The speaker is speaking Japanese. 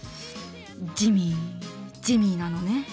ジミージミーなのね。